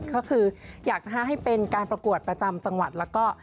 ก็คืออยากจะให้เป็นการประกวดประจำจังหวัดแล้วก็